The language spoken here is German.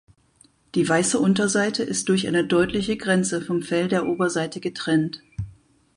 Die weiße Unterseite ist durch eine deutliche Grenze vom Fell der Oberseite getrennt.